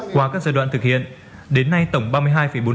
qua các giai đoạn thực hiện đến nay tổng ba mươi hai phần